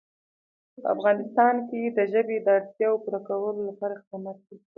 په افغانستان کې د ژبې د اړتیاوو پوره کولو لپاره اقدامات کېږي.